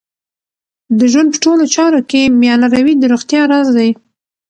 د ژوند په ټولو چارو کې میانه روی د روغتیا راز دی.